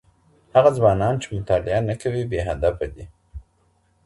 هغه ځوانان چي مطالعه نه کوي بې هدفه دي.